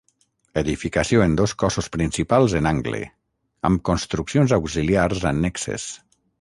Edificació en dos cossos principals en angle, amb construccions auxiliars annexes.